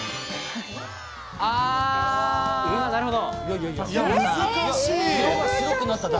なるほど。